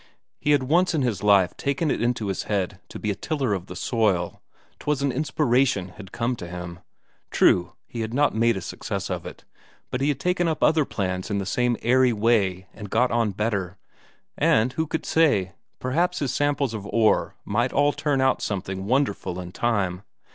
He had once in his life taken it into his head to be a tiller of the soil, 'twas an inspiration had come to him. True, he had not made a success of it, but he had taken up other plans in the same airy way and got on better; and who could say perhaps his samples of ore might after all turn out something wonderful in time!